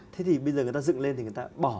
thế thì bây giờ người ta dựng lên thì người ta bỏ